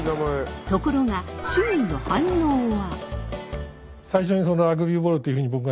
ところが周囲の反応は。